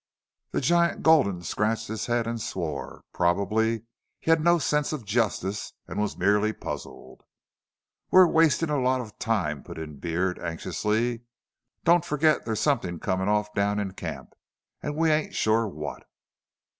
The giant Gulden scratched his head and swore. Probably he had no sense of justice and was merely puzzled. "We're wastin' a lot of time," put in Beard, anxiously. "Don't fergit there's somethin' comin' off down in camp, an' we ain't sure what."